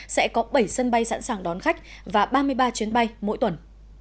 sẽ có bảy sân bay sẵn sàng đón khách và ba mươi ba chuyến bay mỗi tuần